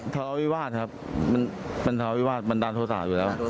เทราวิวาสครับเป็นเทราวิวาสบันดาลโทษาอยู่แล้ว